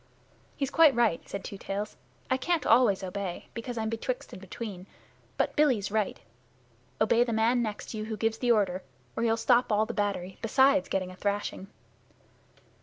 "He's quite right," said Two Tails. "I can't always obey, because I'm betwixt and between. But Billy's right. Obey the man next to you who gives the order, or you'll stop all the battery, besides getting a thrashing."